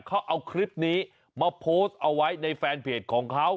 เขาเอาคลิปนี้มาโพสต์เอาไว้ในแฟนเพจของเขา